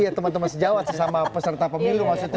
iya teman teman sejawat sesama peserta pemilu maksudnya